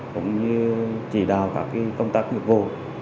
cũng như chỉ đạo các công tác nhiệm vụ